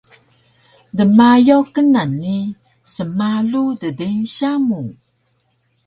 dmayaw knan ni smalu ddeynsya mu